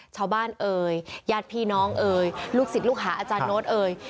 เอ่ยญาติพี่น้องเอ่ยลูกศิษย์ลูกหาอาจารย์โน้ตเอ่ย